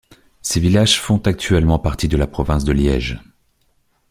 Ces villages font actuellement partie de la province de Liège.